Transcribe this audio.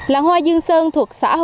làng hoa dương sơn thuộc xã hồ chí minh